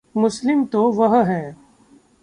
मुसलिम तो वह है।